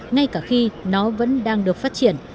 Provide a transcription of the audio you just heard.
ngay cả khi nó vẫn đang được phát triển